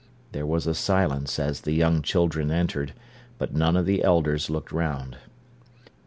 There was a silence as the young children entered, but none of the elders looked round.